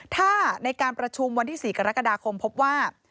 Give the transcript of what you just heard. ถ้าในการประชุมวันที่๔กรกฎาคมพบว่า